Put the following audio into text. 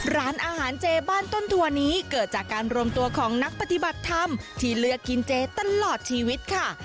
ร้านอาหารเจบ้านต้นทัวร์นี้เกิดจากการรวมตัวของนักปฏิบัติธรรมที่เลือกกินเจตลอดชีวิตค่ะ